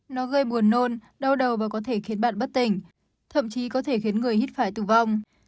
nó gây buồn nôn đau đầu và có thể khiến bạn bất tỉnh thậm chí có thể khiến người hít phải tử vong